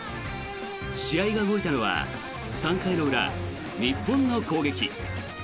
試合が動いたのは３回の裏、日本の攻撃。